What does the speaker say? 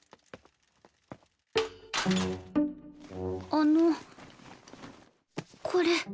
あのこれ。